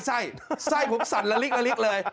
ไส้ผมสั่นละลิกเลย